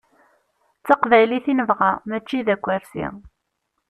D taqbaylit i nebɣa mačči d akersi.